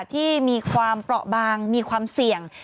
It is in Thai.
ที่มีความเปราะบางมีความเสี่ยง